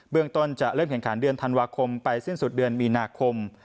เรื่องต้นจะเริ่มแข่งขันเดือนธันวาคมไปสิ้นสุดเดือนมีนาคม